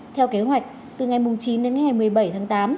theo kế hoạch từ ngày chín đến ngày một mươi bảy tháng tám